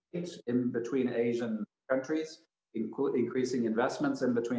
jadi itu konteksnya yang penting untuk diingatkan